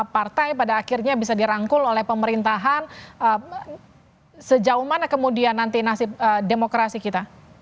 partai pada akhirnya bisa dirangkul oleh pemerintahan sejauh mana kemudian nanti nasib demokrasi kita